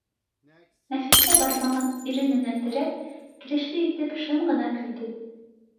Нәфисә, бармағын ирененә терәп, килешле итеп шым гына көлдө